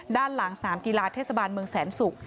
ด้านหลังสนามกีฬาเทศบาลเมืองแสนศุกร์